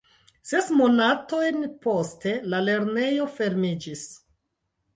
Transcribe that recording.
Ses monatojn poste la lernejo fermiĝis.